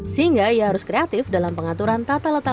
sehingga ia harus kreatif dalam pengaturan tata letak